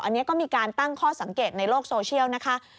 อันนี้ก็มีการตั้งข้อสังเกตในโลกโซเชียลนะคะ